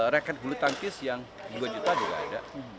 racket bulu tangkis yang dua juta juga ada